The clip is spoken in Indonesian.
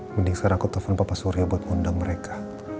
mending sekarang aku telepon papa surya buat undang mereka